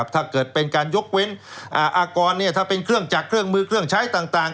ถ้าเกิดเป็นการยกเว้นอากรถ้าเป็นเครื่องจักรเครื่องมือเครื่องใช้ต่าง